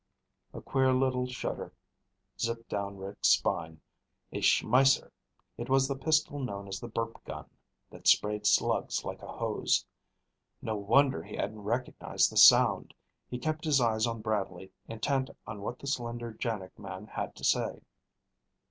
A queer little shudder zipped down Rick's spine. A Schmeisser! It was the pistol known as the "burp gun," that sprayed slugs like a hose. No wonder he hadn't recognized the sound! He kept his eyes on Bradley, intent on what the slender JANIG man had to say.